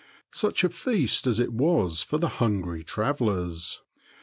Such a feast as it was for the hungry travelers